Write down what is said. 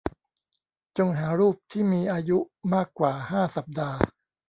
จงหารูปที่มีอายุมากกว่าห้าสัปดาห์